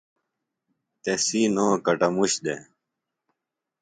تسی نو کٹموش دےۡ